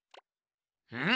うん？